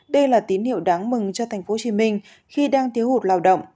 đây là tín hiệu đáng mừng cho tp hcm khi đang thiếu hụt lao động